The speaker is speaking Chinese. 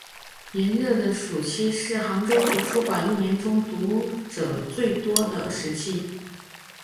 炎热的暑期是杭州图书馆一年中读者数量最多的时期。